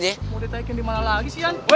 mau ditaihkin dimana lagi si yan